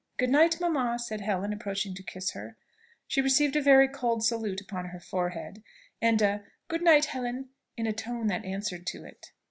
"Good night, mamma," said Helen, approaching to kiss her. She received a very cold salute upon her forehead, and a "Good night, Helen," in a tone that answered to it.